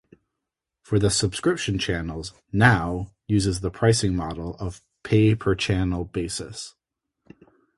For the subscription channels, "Now" uses the pricing model of pay-per-channel basis.